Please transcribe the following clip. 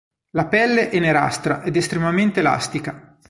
La pelle è nerastra ed estremamente elastica.